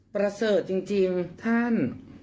เปราะเศรษฐ์จริงจริงท่าน